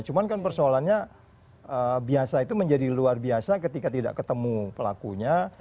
cuman kan persoalannya biasa itu menjadi luar biasa ketika tidak ketemu pelakunya